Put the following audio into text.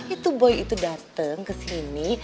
itu boy itu dateng kesini